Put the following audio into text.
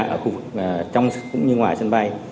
ở khu vực trong cũng như ngoài sân bay